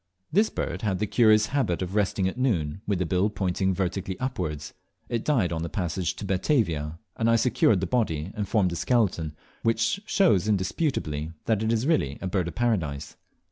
This bird had the curious habit of resting at noon with the bill pointing vertically upwards. It died on the passage to Batavia, and I secured the body and formed a skeleton, which shows indisputably that it is really a Bird of Paradise.